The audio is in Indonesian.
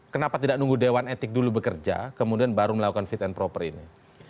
kenapa tidak nunggu dewan etik dulu bekerja kemudian baru melakukan fit and proper ini